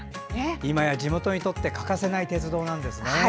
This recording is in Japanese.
いまや地元にとって欠かせない鉄道なんですね。